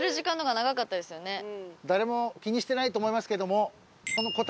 誰も気にしてないと思いますけども。